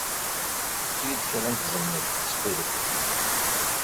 Efk-iyi-d kra n tẓemmit, ttxil-k.